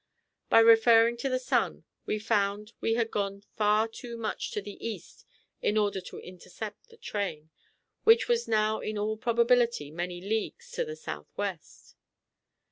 By referring to the sun, we found we had gone far too much to the east in order to intercept the train, which was now in all probability many leagues to the southwest.